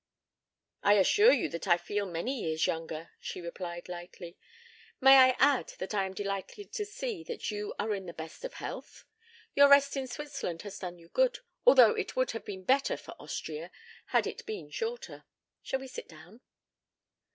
"I assure you that I feel many years younger," she replied lightly. "May I add that I am delighted to see that you are in the best of health? Your rest in Switzerland has done you good, although it would have been better for Austria had it been shorter. Shall we sit down?"